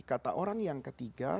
kata orang yang ketiga